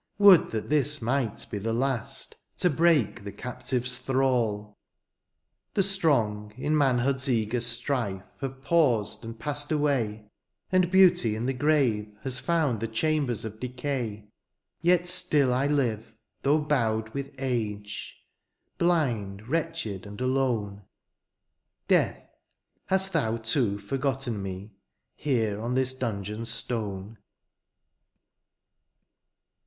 would that this might be the last. To break the captive's thrall. 190 THE CAPTIVE KING. The strong; in manhood's eager strife^ Have paused^ and passed away ; And beauty in the grave has found The chambers of decay ; Yet still I live^ though bowed with age^ Blind; wretched and alone ; Death; hast thou too forgotten mC; Here on this dungeon's stone